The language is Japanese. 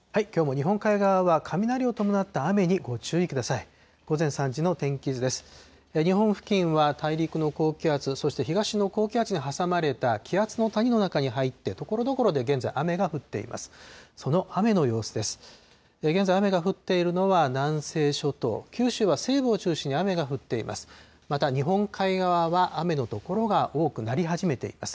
日本付近は大陸の高気圧、そして東の高気圧に挟まれた気圧の谷の中に入って、ところどころで現在、雨が降っています。